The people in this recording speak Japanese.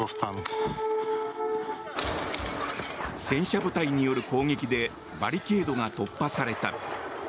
戦車部隊による攻撃でバリケードが突破された。